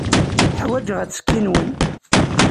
Uḥwaǧeɣ attekki-nwen.